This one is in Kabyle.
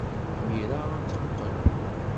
Imir-a ad d-teqqel.